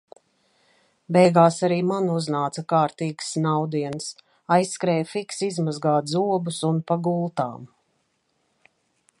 Beigās arī man uznāca kārtīgs snaudiens, aizskrēju fiksi izmazgāt zobus un pa gultām.